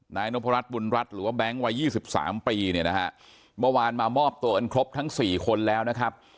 นายนพรัชบุญรัฐหรือว่าแบงค์วัย๒๓ปีเนี่ยนะฮะเมื่อวานมามอบตัวกันครบทั้งสี่คนแล้วนะครับ